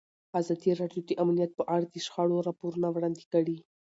ازادي راډیو د امنیت په اړه د شخړو راپورونه وړاندې کړي.